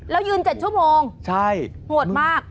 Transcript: แล้วยืน๗ชั่วโมงโหดมาก